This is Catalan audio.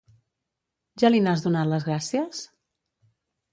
Ja li n'has donat les gràcies?